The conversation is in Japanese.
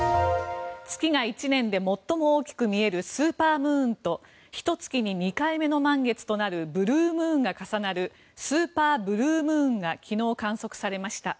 月が１年で最も大きく見えるスーパームーンとひと月に２回目の満月となるブルームーンが重なるスーパーブルームーンが昨日観測されました。